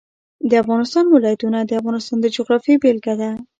د افغانستان ولايتونه د افغانستان د جغرافیې بېلګه ده.